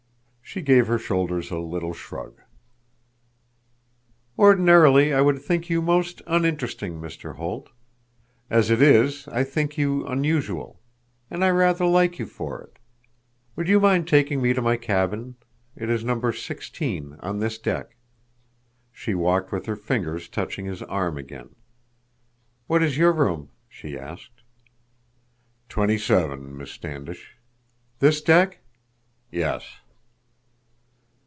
She gave her shoulders a little shrug. "Ordinarily I would think you most uninteresting, Mr. Holt. As it is I think you unusual. And I rather like you for it. Would you mind taking me to my cabin? It is number sixteen, on this deck." She walked with her fingers touching his arm again. "What is your room?" she asked. "Twenty seven, Miss Standish." "This deck?" "Yes."